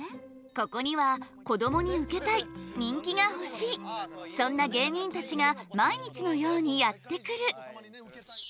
ここにはこどもにウケたい人気が欲しいそんな芸人たちが毎日のようにやって来る。